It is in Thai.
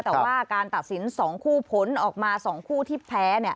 แต่ว่าการตัดสิน๒คู่ผลออกมา๒คู่ที่แพ้